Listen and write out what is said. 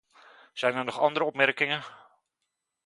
Zijn er nog andere opmerkingen?